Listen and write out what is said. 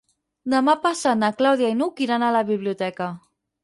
Demà passat na Clàudia i n'Hug iran a la biblioteca.